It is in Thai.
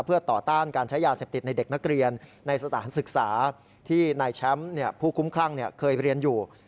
เพื่อต่อต้านการใช้ยาเสพติดในเด็กนักเรียนในสถานศึกษาที่นายแชมป์ผู้คุ้มคลั่งเคยเรียนอยู่